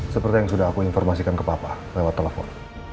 seperti yang sudah aku informasikan ke bapak lewat telepon